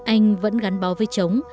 anh vẫn gắn bó với chống